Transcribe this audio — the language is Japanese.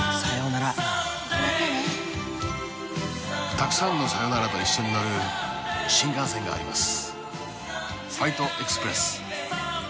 たくさんのさようならと一緒になれる新幹線があります。